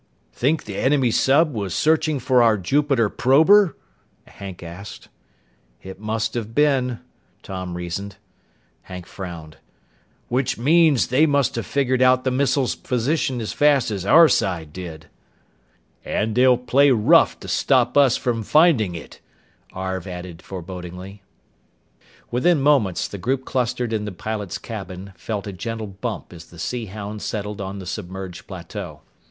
"Think the enemy sub was searching for our Jupiter prober?" Hank asked. "It must have been," Tom reasoned. Hank frowned. "Which means they must have figured out the missile's position as fast as our side did." "And they'll play rough to stop us from finding it," Arv added forebodingly. Within moments, the group clustered in the pilot's cabin felt a gentle bump as the Sea Hound settled on the submerged plateau.